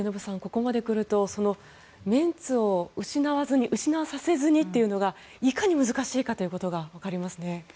ここまで来るとメンツを失わさせずにというのがいかに難しいかということがわかりますね。